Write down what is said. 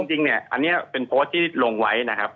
จริงเนี่ยอันนี้เป็นโพสต์ที่ลงไว้นะครับ